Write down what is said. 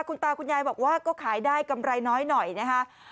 คุณตาคุณยายบอกว่าก็ขายได้กำไรน้อยหน่อยนะคะ